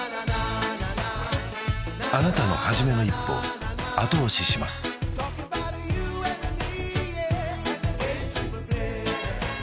あなたのはじめの一歩後押しします弘前弘前